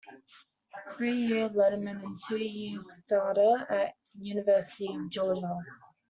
Three-year letterman and two-year starter at the University of Georgia.